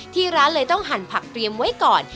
ที่ร้านเลยต้องหั่นผักเตรียมไว้ก่อน